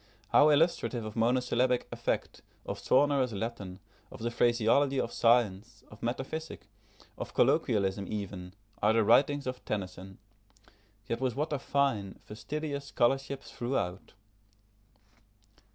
How illustrative of monosyllabic effect, of sonorous Latin, of the phraseology of science, of metaphysic, of colloquialism even, are the writings of Tennyson; yet with what a fine, fastidious scholarship throughout!